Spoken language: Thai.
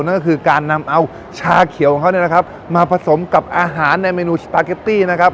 นั่นก็คือการนำเอาชาเขียวของเขามาผสมกับอาหารในเมนูชิตาเก็ตตี้นะครับ